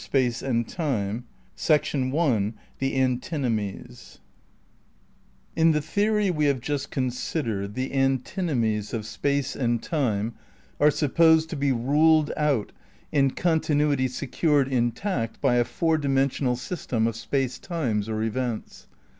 IV THE ANTINOMIES OF SPACE AND TIME i In the theory we have just considered the antinomies of Space and Time are supposed to be ruled out and The continuity secured intact by a four dimensional sys mies tern of space times or events.